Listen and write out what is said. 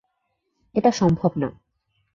এটা সম্ভব না!